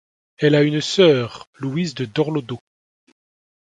Elle a une sœur, Louise de Dorlodot.